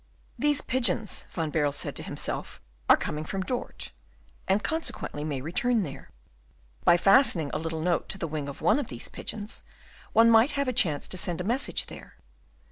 These pigeons, Van Baerle said to himself, are coming from Dort, and consequently may return there. By fastening a little note to the wing of one of these pigeons, one might have a chance to send a message there.